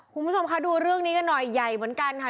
คุณผู้ชมคะดูเรื่องนี้กันหน่อยใหญ่เหมือนกันค่ะ